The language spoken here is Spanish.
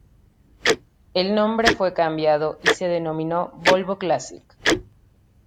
El nombre fue cambiado, y se denominó Volvo Classic.